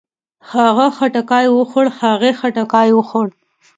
هغۀ خټکی وخوړ. هغې خټکی وخوړ.